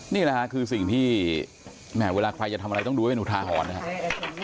นี่แหละค่ะคือสิ่งที่แหมเวลาใครจะทำอะไรต้องดูไว้เป็นอุทาหรณ์นะครับ